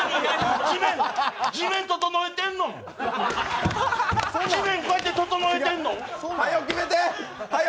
地面整えてんのん？はよ